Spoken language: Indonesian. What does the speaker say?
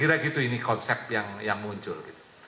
kira kira gitu ini konsep yang muncul